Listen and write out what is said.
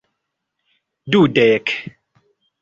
dudek